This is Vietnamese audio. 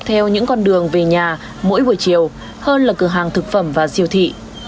theo những con đường về nhà mỗi buổi chiều hơn là cửa hàng thực phẩm và siêu thị